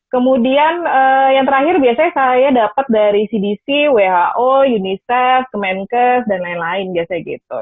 kemudian yang terakhir biasanya saya dapat dari cdc who unicef kemenkes dan lain lain biasanya gitu